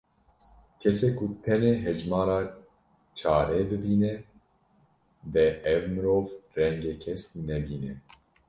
Kesê ku tenê hejmara çarê bibîne dê ev mirov rengê kesk nebîne.